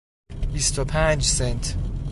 بیست و پنج سنت